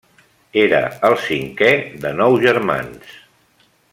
Era el cinquè de nou germans.